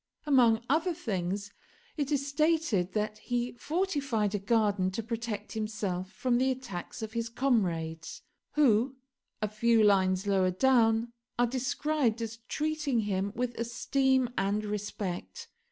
Among other things, it is stated that he fortified a garden to protect himself from the attacks of his comrades, who, a few lines lower down, are described as treating him with esteem and respect.